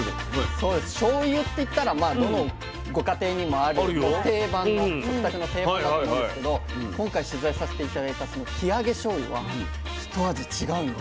しょうゆっていったらまあどのご家庭にもある定番の食卓の定番だと思うんですけど今回取材させて頂いたその生揚げしょうゆは一味違うんです。